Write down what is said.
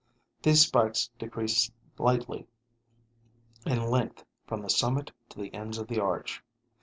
These spikes decrease slightly in length from the summit to the ends of the arch.